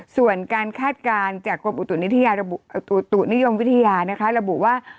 ส่วนการคาดการณ์จากกรมอุตุนิทยาอุตุนิยมวิทยาระบุว่า